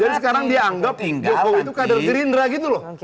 jadi sekarang dia anggap jokowi itu kader gerindra gitu loh